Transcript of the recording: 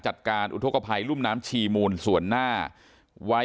จัดการอุทธกภัยรุ่นน้ำชีมูลสวนน่า